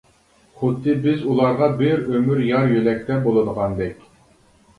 خۇددى بىز ئۇلارغا بىر ئۆمۈر يار-يۆلەكتە بولىدىغاندەك.